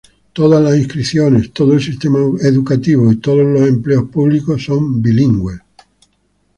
Todas las inscripciones, todo el sistema educativo y todos los empleos públicos son bilingües.